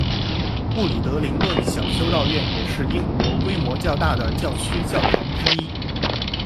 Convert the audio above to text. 布里德灵顿小修道院也是英国规模较大的教区教堂之一。